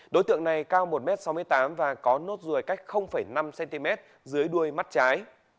đối tượng này cao một m sáu mươi tám và có nốt ruồi cách năm cm dưới đuôi mắt trái